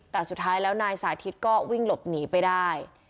แต่สุดท้ายแล้วนายสาธิตก็วิ่งหลบหนีไปได้